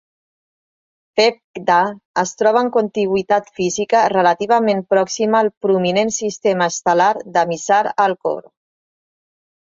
Phecda es troba en contigüitat física relativament pròxima al prominent sistema estel·lar de Mizar-Alcor.